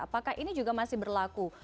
apakah ini juga masih berlaku